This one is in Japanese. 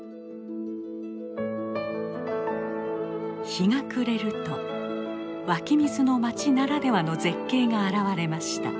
日が暮れると湧き水の町ならではの絶景が現れました。